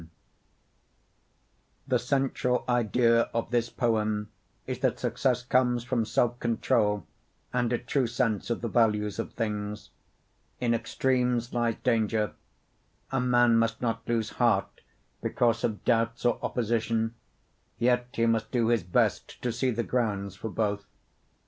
IF The central idea of this poem is that success comes from self control and a true sense of the values of things. In extremes lies danger. A man must not lose heart because of doubts or opposition, yet he must do his best to see the grounds for both.